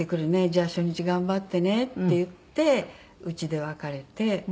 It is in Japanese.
じゃあ初日頑張ってね」って言って家で別れてまあ。